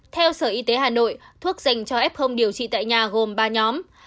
theo sở y tế hà nội thuốc dành cho ép không điều trị tại nhà gồm ba nhóm